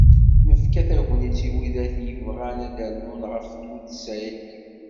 Nefka tagnit i widak i yebɣan ad d-rnun ɣer tudsa-agi.